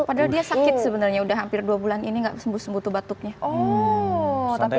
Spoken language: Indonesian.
padahal dia sakit sebenarnya udah hampir dua bulan ini nggak sembuh sembuh tuh batuknya oh tapi